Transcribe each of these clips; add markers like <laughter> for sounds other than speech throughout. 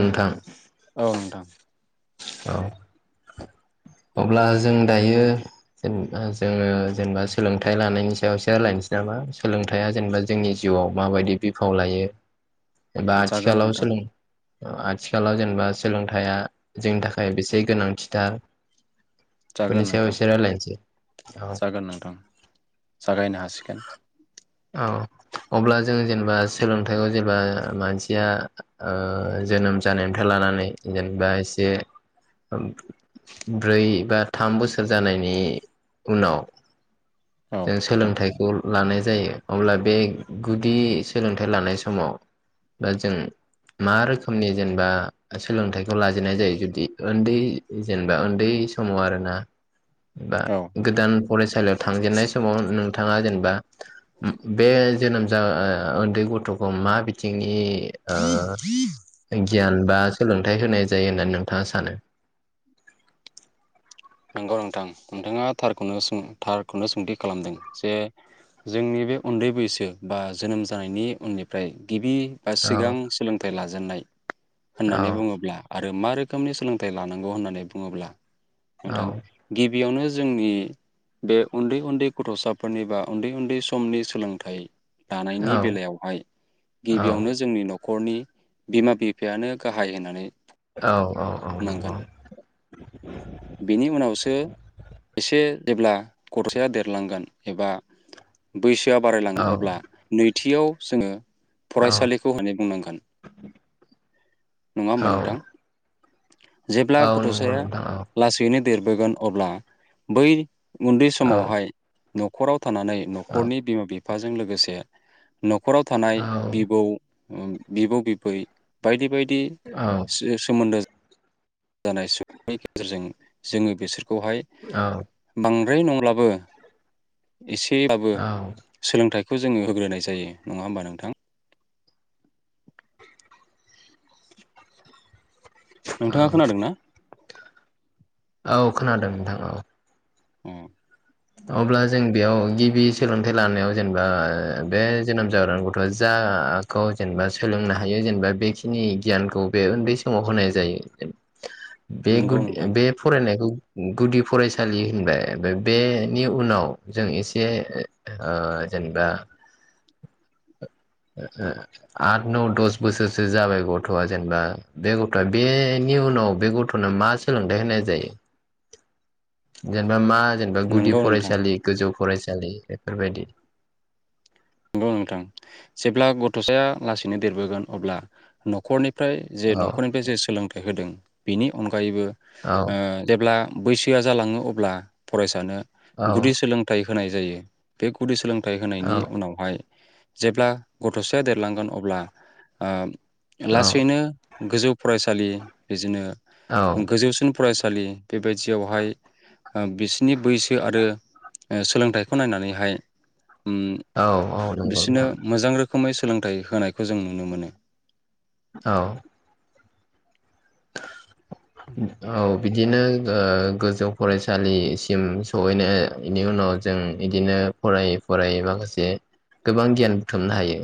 नोंथां औ नोंथांव औ अब्ला जों दायो जेनेबा जोङो जेनेबा सोलोंथाइ लानायनि सायाव एसे रायलायनोसै नामा सोलोंथाया जेनेबा जोंनि जिउआव माबायदि बिफाव लायो। एबा जागोन आथिखलाव नोंथां सोलों। आथिखालाव जेनेबा सोलोंथाइया। जोंनि थाखाय बेसे गोनांथिथार। जागोन बेफोरनि सायाव नोंथां एसे रायलायनोसै अ। जागोन नोंथां जागायनो हासिगोन। औ अब्ला जों जेनेबा सोलोंथाइखौ जेबा मानसिया ओ जोनोम जानायनिफ्राय लानानै जेनेबा एसे ब्रै बा थाम बोसोर जानायनि उनाव। औ जों नोंथां सोलोंथाइखौ लानाय। जायो अब्ला बे गुदि सोलोंथाइ लानाय समाव बा जों मा रोखोमनि जेनेबा सोलोंथाइखौ लाजेननाय जायो जुदि उन्दै जेनेबा उन्दै समाव आरोना। बा औ नोंथां गोदान फरायसालियाव थांजेननाय। नोंथाङा जेनबा। बे। जोनोम जा उन्दै गथ'खौ मा बिथिंनि। ओ गियान बा सोलोंथाइ होनाय जायो होननानै नोंथाङा सानो नंगौ नोंथां नोंथाङा थारखौनो सों थारखौनो सोंथि खालामदों जे जोंनि बे उन्दै बैसो बा जोनोम जानायनि उननिफ्राय गिबि बा औ सिगां सोलोंथाइ लाजा जेननाय औ होननानै बुङोब्ला आरो मा रोख रोखोमनि सोलोंथाइ लानांगौ होननानै बुङोब्ला औ नोथां गिब बियावनो जोंनि बे उन्दै उन्दै गथ'साफोरनि बा उन्दै उन्दै समनि सोलोंथाइ औ दानायनि बेलायावहाय औ गिबियावनो जोंनि न' खरनि बिमा बिफायानो गाहाय होननानै औ औ औ नंगौ बुंनांगोन बेनि उनावसो एसे जेब्ला गथ'साया देरलांगोन एबा बैसोआ औ बारायलाङोन अब्ला नै थियाव जोङो औ फरायसालिखौ होननानै बुंनांगोन नङा होमबा औ नोंथां जेब्ला औ नंगौ गथ'साया नोंथां औ लासैनो देरबोगोन अब्ला बै उन्दै औ समावहाय न'खराव फानानै न'खरनि बिमा बिफ बिफाजों लोगोसे न'खराव थानाय बिबौ बिब' बिबै बायदि बायदि दि सो-सोमोनदो जानाय सुबुंनि गेजेरजों जोङो बेसोर खौहाय औ बां द्राय नंब्लाबो एसेब्लाबो सोलोंथाइ खौ जोङो होग्रोनाय जायो नङा होमबा नोंथां? औ नोंथाङा खोनादों ना औ खोनादों नोंथां औ उम अब्ला जों बेयाव गिबि सोलोंथाइ लानायाव जेनेबा बे जोनोम जाग्रा गथ'आ जाखौ जेनेबा सोलोंनो हायो जेनेबा बेखिनि गियानखौ बे उन्दै समाव होनाय जायो। बे नंगौ गुदिया नोंथां बे फरायनायखौ गुदि फरायसालि होनबाय बे नि उनाव जों एसे ओ जेनेबा ओ ओ आद नौ दस बोसोरसो जाबाय गथ'आ जेनेबा बे गथ'आ बेनि उनाव बे गथ'नो मा सोलोंथाइ होनाय जायो जेनेबा मा जेनेबा गुदि नंगौ नोंथां फरायसालि गोजौ फरायसालि बेफोरबायदि नंगौ नोंथां जेब्ला गथ'साया लासैनो देरबोगोन अब्ला नख'रनि फ्राय जे औ नखरनिफ्राय जे सोलोंथाइ होदों बेनि अनगायैबो औ ओ देब्ला बैसोआ जालाङो अब्ला फरायसानो औ गुदि सोलोंथाइ होनाय जायो बे गुदि सोलोंथाइ फोथाय औ होनायनि उनाव जेब्ला गथ'साया देरलांगोन अब्ला औ लासैनो गोजौ फरायसालि बिदिनो औ गोजौसिन फरायसा फरायसालि बेबायदियावहाय बिसोरनि बैसो आरो सोलोंथाइखौ नायनानैहाय उओ औ औ नंगौ बिसोरनो नोंथां मोजां रोखोमै सो सोलोंथाइ होनायखौ जों नुनो मोनो। औ औ बिदिनो ओ गोजौ फरायसालिसिम सहैनायनि उनाव जों बिदिनो फरायै फरायै माखासे गोबां गियान बुथुमनो हायो।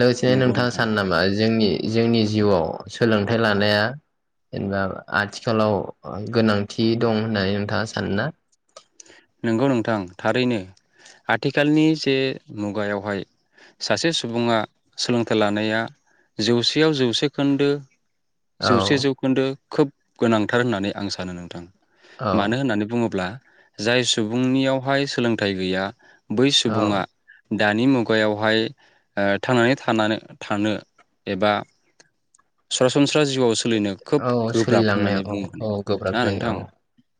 लोगोसेनो नंगौ नोंथाङा नोंथां सानो नामा जोंनि जोंनि जिउआव सोलोंथाइ लानाया जेनेबा आथिखालाव गोनांथि दं होननानै नोंथाङा सानो ना। नंगौ नोंथां थारैनो आथिखालनि जे मुगायावहाय सासे सुबुङा सोलोंथाइ लानाया जौसेयाव जौसे खोन्दो औ जौसे जौखोन्दो। खोब गोनांथार होननानै आं सानो नोंथां। औ मानो होननानै बुङोब्ला जाय सुबुंनियावहाय सोलोंथाइ गैया बै औ सुबुङा दानि मुगायावहाय ओ थांनानै थानानै थानो एबा सरासनस्रा स्रा जिउआव सोलिनो खोब औ गोब्राब सोलिलांनाया होननानै औ बुंगोन औ गोब्राब ना नोंथां? जायो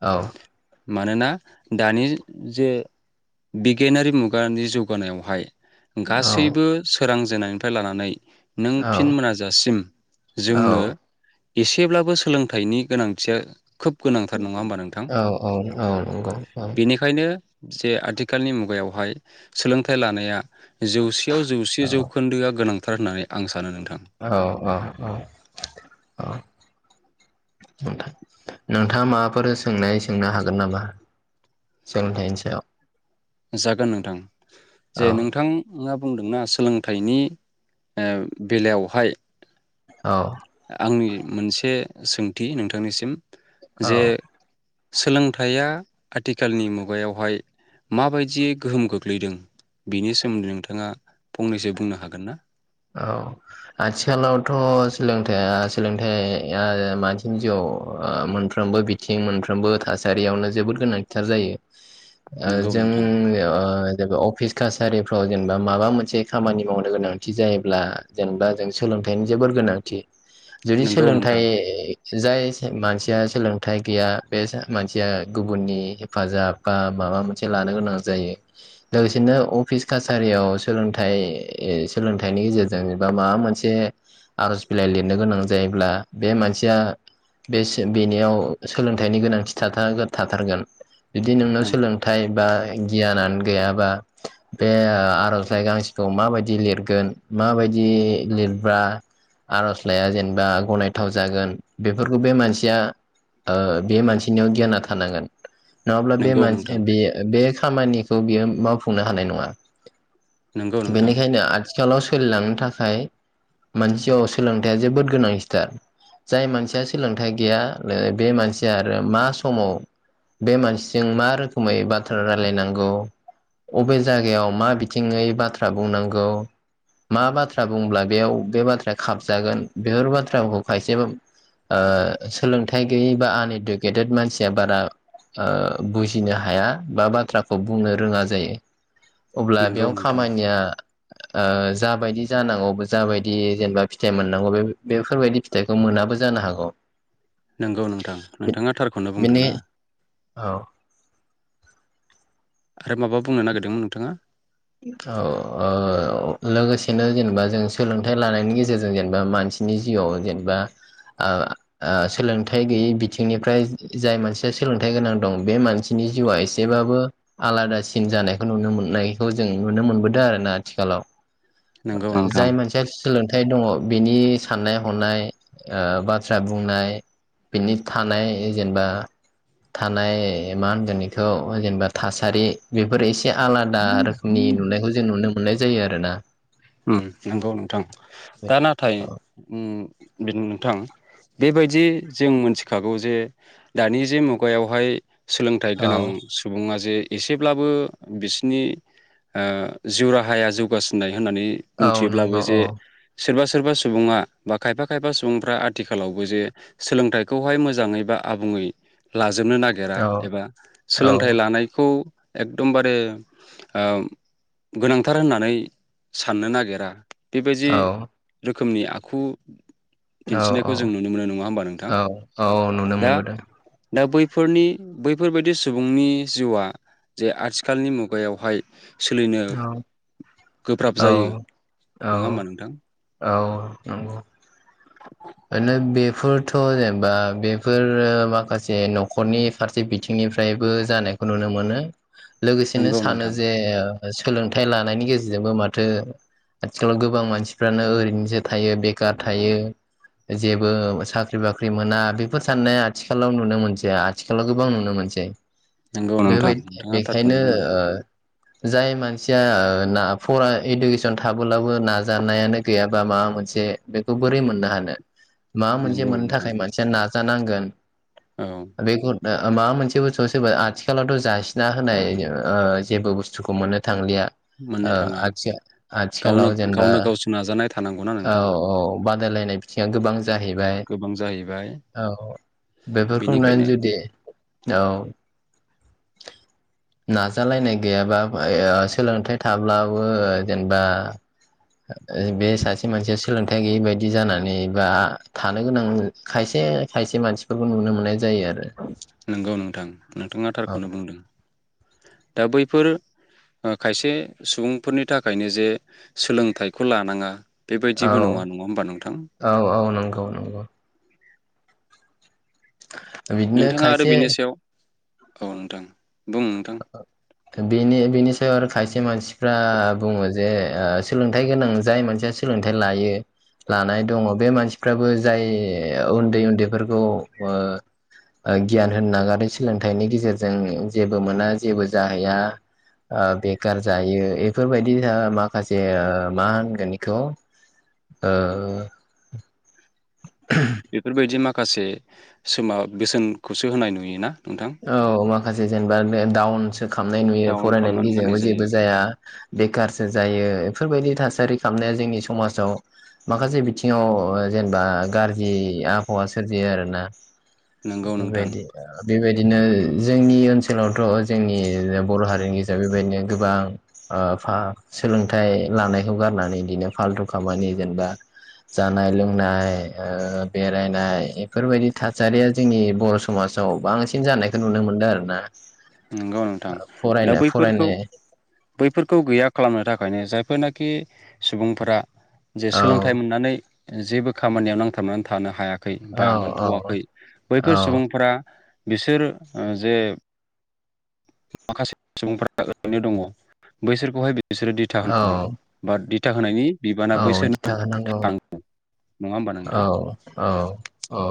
औ मानोना दानि जे बिगियानारि मुगानि जौगानायावहाय औ गासैबो सो सोरां जेननायनिफ्राय लानानै नों औ फिन मोनाजासिम औ जोंनो एसेब्लाबो सोलोंथाइनि गोनांथिया खोब गोनांथार नङा होमबा नोंथां औ औ औ औ बेनिखायनो जे आथिखालनि मुगायावहाय सोलोंथाइ लानाया जौसेयाव जौसे औ जौखोन्दोआ गोनां थार होननानै आं सानो नोंथां औ औ औ औ नोंथां नोंथाङा माबाफोर सोंनाय सोंनो हागोन नामा सोलोंथाइनि सायाव जागोन नोंथां जे औ नोंथां ओम बुंदोंना सोलोंथाइनि बेलायावहाय औ आंनि मोनसे सोंथि नोंथांनिसिम जे औ सोलोंथाइया आथिखालनि मुगायावहाय माबायदियै गोहोम गोग्लैदों बिनि सोमोन्दै नोंथाङा फंनैसो बुंनो हागोन ना? औ आथिखालावथ सोलोंथाइया सोलोंथाइया मानसिनि जिउआव मोनफ्रोमबो बिथिं मोनफ्रोमबो थासारियावनो जोबोद गोनांथिथार जायो ओ नोंगौ जों नोंथां ओ जेनेबा अफिस कासारिफ्राव जेनेबा माबा मोनसे खामानि मावनो गोनां थि जायोब्ला जेनेबा जों सोलोंथाइनि जोबोर गोनांथि जुदि नोंगौ सोलोंथाइ नोंथां जाय मानसिया सोलोंथाइ गैया बे मानसिया गुबुननि हेफाजाब बा माबा मोनसे लानो गोनां जायो लोगोसेनो अफिस कासारियाव सोलोंथाइ सोलोंथाइनि गेजेरजों एबा माबा मोनसे आरज बिलाइ लिरनो गोनां जायोब्ला बे मानसिया बे सो बेनियाव सोलोंथाइनि गोनांथि थाथारगोन थाथारगोन बिदि नोंनाव सोलोंथाइ बा गियानानो गैयाबा बे आरजलाइ गांसेखौ माबायदि लिर गोन माबायदि लिरबा आरजलाइाया जेनेबा गनायथाव जागोन बेफोरखौ बे मानसिया ओ बे मानसिनियाव गियाना थानांगोन नङाब्ला बे नोंगौ मानसि नोंथां बे खामानिखौ बियो मावफुंनो हानाय नङा नोंगौ नोंथां बेनिखायनो आरो आथिखालाव सोलिलांनो थाखाय मानसियाव सोलोंथायाइया जोबोद गोनांथिथार जाय मानसिया सोलोंथाइ गैया बे मानसिया आरो मा समाव बे मानसिजों मा रोखोमै बाथ्रा रायलायनांगौ अबे जायगायाव मा बिथिङै बाथ्रा बुंनांगौ मा बाथ्रा बुंब्ला बेयाव बे बाथ्राया खाबजागोन बेफोर बाथ्राखौ खायसे ओ सोलोंथाइ गैयै बा आनइडुकेटेड मानसिया बारा बुजिनो हाया बा बाथ्राखौ बुंनो रोङा जायो अब्ला नोंगौ बेयाव नोंथां खामानिया ओ जाबायदि जानांगौ जाबायदि जेनेबा फिथाइ मोननांगौ बे बेफोरबायदि फिथाइखौ मोनाबो जानो हागौ नंगौ नोंथां नोंथाङा थारखौनो बुंदों बेनि ना औ आरो माबा बुंनो नागिरदोंमोन नोंथाङा? औ ओ लोगोसेनो जेनेबा जों सोलोंथाइ लानायनि गेजेरजों जेनेबा मानसिनि जिउआव जेनेबा आ आ सोलोंथाइ गैयै बिथिंनिफ्राय जाय मानसिया सोलोंथाइ गोनां दं बे मानसिनि जिउआ एसेबाबो आलादासिन जानायखौ नुनो मोननाय बेखौ जों नुनो मोनबोदों आरो ना आथिखालाव नंगौ नोंथां जाय मोनानसिया सोलोंथाइ थाय दङ बिनि साननाय हनाय ओ बाथ्रा बुंनाय बिनि थानाय जेनेबा थानाय मा होनगोन बेखौ जेनेबा थासारि बेफोर एसे ए आलादा आरो नि नुनायखौ जों नुनो मोननाय जायो आरो ना ओम नंगौ नोंथां दा नाथाय नोंथां बेबायदि जों मोनथिखागौ जे दानि जे मुगायावहाय सोलोंथाइ औ गोनां सुबुङा जे एसेब्लाबो बिसिनि ओ जिउ राहाया जौगासिननाय होननानै औ मिथियोब्लाबो नंगौ औ जे सोरबा सोरबा सुबुङा बा खायफा खायफा सुबुंफ्रा आथिखालावबो जे सोलोंथाइखौहाय मोजाङै बा आबुङै ला जोबनो नागिरा औ एबा औ सोलोंथाइ लानायखौ एकदमबारे ओ गोनांथार होननानै साननो नागिरा बेबायदि रो रोखोमनि आखु औ औ औ दिन्थिनायखौ जों नुनो मोनो नङा होमबा नोंथां औ औ नुनो दा मोनबोदों दा बैफोरनि बैफोरबायदि सुबुंनि जिउआ जे आथिखालनि मुगायावहाय सोलिनो औ गोब्राब औ जायो औ नङा होमबा नोंथां औ नंगौ ओरनो बेफोरथ जेनेबा बेफोर माखासे नखरनि फारसे बिथिंनिफ्रायबो जानायखौ नुनो मोनो लोगोसेनो नंगौ सानो नोंथां जे सोलोंथाइ लानायनि गेजेरजोंबो माथो आथिखालाव गोबां मानसिफ्रानो ओरैनोसो थायो बेखार थायो जेबो साख्रि बाख्रि मोना बेफोर साननाया आथिखालाव नुनो मोनसै आथिखालाव गोबां नुनो मोनसै नंगौ नोंथां बेबायदि नोंथाङा थारखौनो बेखायनो बुंदों जाय मानसिया ना फर इडुकेसन थाबोलाबो नाजानायानो गैयाबा माबा मोनसे बेखौ बोरै मोननो हानो मा मोनसे नंगौ मोननो नोंथां थाखाय मानसिया ना जानांगोन। औ <unintelligible> माबा मोनसे बुस्थु सोरबा आथिखालावथ' जासिना होनाय जेबो बुस्थु। <unintelligible> मोननो थाङा गावनो आथिखालाव जेनेबा गावनो गावसो नाजानाय थानांगौना औ नोंथां औ। बादायलायनाय बिथिंआ गोबां। जाहैबाय गोबां जाहैबाय औ बेफोरखौ नुनानै बेनिखायनो जुदि। औ नाजालायनाय गैयाबा। सोलोंथाइ थाब्लाबो जेनेबा बे सासे मानसिया सोलोंथाइ गैयै बायदि जानानै बा थानो गोनां खायसे खायसे मानसिफोरखौ नुनो मोननाय जायो आरो। नंगौ नोंथां नोंथाङा औ थारखौनो बुंदों दा बैफोर। खायसे सुबुंफोरनि थाखायनो जे सोलोंथाइखौ लानाङा। बेबायदिबो औ नङा नङा होमबा नोंथां औ औ नंगौ नंगौ। बिदिनो नोंथाङा आरो खायसे। बेनि सायाव औ नोंथां। बुं नोंथां बिनि बिनि सयाव आर खायसे। मानसिफ्रा बुङो जे सोलोंथाइ गोनां जाय मानसिया सोलोंथाइ लायो लानाय दङ बे मानसिफ्राबो जाय उन्दै उन्दैफोरखौ गियान होनो नागारो सोलोंथाइनि गेजेरजों जेबो मोना। जेबो जाहैया बेखार जायो बेफोरबायदि माखासे मा होनगोन बेखौ। बेफोरबायदि माखासे सोमा बेसोनखौसो होनाय नुयोना। नोंथां औ माखासे जेनेबा। दाउन। खालामनाय नुयो डाउन फरायनायनि खालामनानै होनाय गेजेरजोंबो जेबो जायो जाया बेखारसो जायो। बेफोरबायदि थासारि खालामनाया जोंनि समाजाव माखासे बिथिङाव जेनेबा गाज्रि आबहावा सोरजियो आरोना। नंगौ नोंथां बेबाइदि बिबाइदि। बिदिनो जोंनि ओनसोलावथ' जोंनि बर' हारिनि गेजेराव बेबायदिनो गोबां सोलोंथाइ लानायखौ गारनानै बिदिनो फालथु खामानि जेनेबा जानाय लोंनाय बेरायनाय बेफोरबायदि थासारिया जोंनि बर' समाजाव बांसिन। जानायखौ नुनो मोन्दों आरो ना। नंगौ नोंथां दा फरायनो बैफोरखौ फरायनो बैफोरखौ गैया खालामनो थाखाय। ओंखायनो जायफोरनाखि सुबुंफोरा। जे औ सोलोंथाइ मोननानै। जेबो खामानियाव नांथाबनानै थानो हायाखै। औ बा औ मोनथ'वाखै औ बैफोर सुबुंफोरा। बिसोर जे। माखासे सुबुंफोरा ओरैनो दङ बैसोरखौहाय। बिसोरो दिथा औ होनांगौ बा दि। दिथा होनायनि। बिबाना औ दिथा बैसोरनाव होनांगौ थाङो। औ औ औ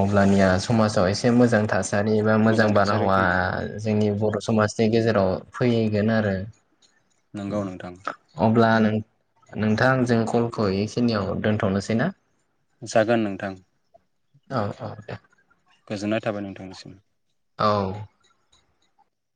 अब्लानिया समाजाव एसे मोजां थास सारिबा मोजां थासारियाव बारहावा फैगोन जोंनि बर' समाजनि गेजेर <unintelligible> फैहैगोन आरो नोंगौ नोंथां। ब्ला नों नोंथां जों कलखौ एस नियाव दोनथनोसै ना? जागोन नोंथां। औ औ दे। गोजोननाय थाबाय नोंथांनिसिम। औ